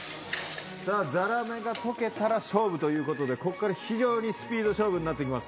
ザラメが溶けたら勝負ということで、ここから非常にスピード勝負になってきます。